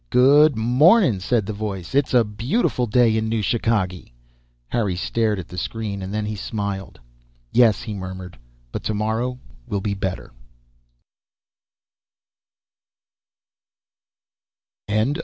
"Good morning," said the voice. "It's a beautiful day in New Chicagee!" Harry stared at the screen and then he smiled. "Yes," he murmured. "But tomorrow will be better."